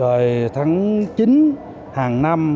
rồi tháng chín hàng năm